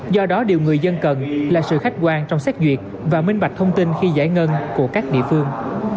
do đó điều người dân cần là sự khách quan trong xét duyệt và minh bạch thông tin khi giải ngân của các địa phương